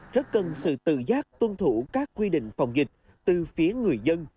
rất cần sự tự giác tuân thủ các quy định phòng dịch từ phía người dân